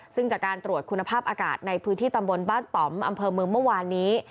ซึ่งจากการตรวจคุณภาพอากาศในพื้นที่ตำบลบ้านต่อมอำเภอเมืองเมื่อวานนี้